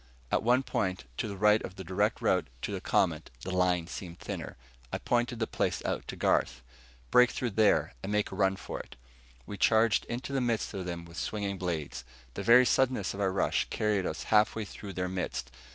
At one point, to the right of the direct route to the Comet, the line seemed thinner. I pointed the place out to Garth. "Break through there, and make a run for it." We charged into the midst of them with swinging blades. The very suddenness of our rush carried us half way through their midst.